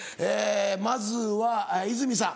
まずは和泉さん。